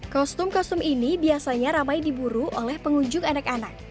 kostum kostum ini biasanya ramai diburu oleh pengunjung anak anak